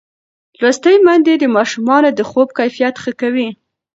لوستې میندې د ماشومانو د خوب کیفیت ښه کوي.